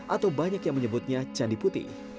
atau banyak yang menyebutnya candi putih